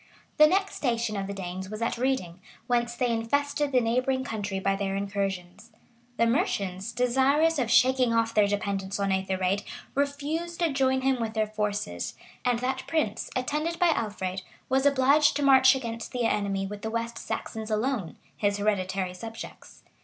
The next station of the Danes was at Reading; whence they infested the neighboring country by their incursions. The Mercians, desirous of shaking off their dependence on Ethered, refused to join him with their forces; and that prince, attended by Alfred, was obliged to march against the enemy with the West Saxons alone, his hereditary subjects.